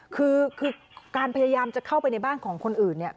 คือการพยายามจะเข้าไปในบ้านของคนอื่นเนี่ย